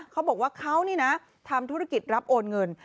เขาบอกว่าเขานี่นะทำธุรกิจรับโอนเงิน